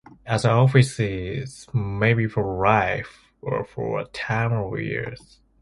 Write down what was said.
Other offices may be for life or for a term of years.